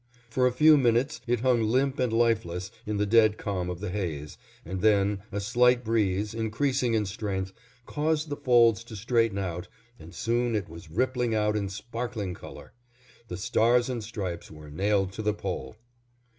For a few minutes it hung limp and lifeless in the dead calm of the haze, and then a slight breeze, increasing in strength, caused the folds to straighten out, and soon it was rippling out in sparkling color. The stars and stripes were "nailed to the Pole."